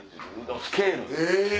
スケール！